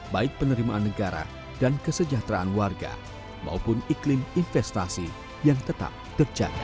baik penerimaan negara dan kesejahteraan warga maupun iklim investasi yang tetap terjaga